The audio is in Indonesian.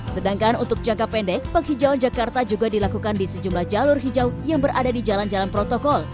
sedangkan untuk jangka pendek penghijauan jakarta juga dilakukan di sejumlah jalur hijau yang berada di jalan jalan protokol